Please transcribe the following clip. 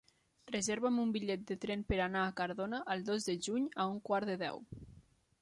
Reserva'm un bitllet de tren per anar a Cardona el dos de juny a un quart de deu.